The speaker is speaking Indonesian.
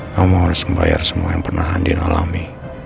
kamu harus membayar semua yang pernah andin alami